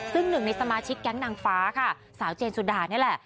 ซึ่งหนึ่งในสมาชิกแก๊งนางฟ้าค่ะสาวเจนสุดานี่แหละ